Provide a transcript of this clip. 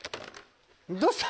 どうした？